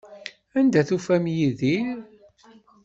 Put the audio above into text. Anda ay tufam Yidir?